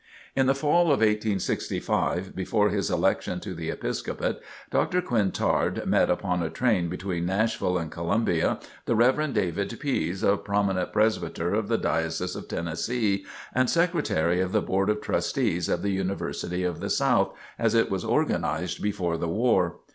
In the fall of 1865, before his election to the Episcopate, Dr. Quintard met upon a train between Nashville and Columbia, the Rev. David Pise, a prominent presbyter of the Diocese of Tennessee, and Secretary of the Board of Trustees of The University of the South as it was organized before the war.